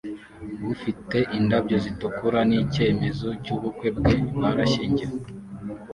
ufite indabyo zitukura nicyemezo cyubukwe bwe barashyingiwe